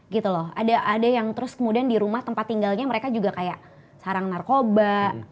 gitu loh ada yang terus kemudian di rumah tempat tinggalnya mereka juga kayak sarang narkoba